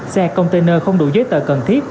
xe container không đủ giấy tờ cần thiết